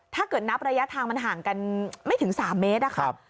ถ้าเกิดนับระยะทางมันห่างกันไม่ถึง๓เมตรนะครับ